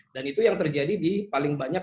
dan itu yang terjadi paling banyak